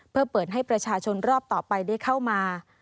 เพื่อเปิดให้ประชาชนรอบต่อไปได้เข้ามา